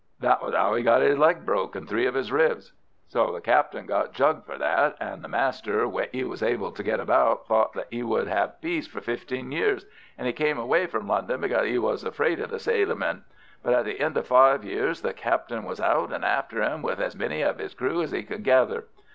That was 'ow 'e got 'is leg broke and three of his ribs. "So the captain got jugged for that, and the master, when 'e was able to get about, thought that 'e would 'ave peace for fifteen years, and 'e came away from London because 'e was afraid of the sailor men; but, at the end of five years, the captain was out and after 'im, with as many of 'is crew as 'e could gather.